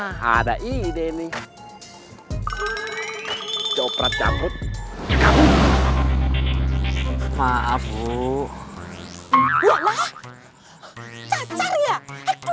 hai ah ada ide nih copot cabut maaf bu